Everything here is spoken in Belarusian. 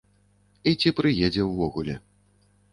І ці прыедзе ўвогуле.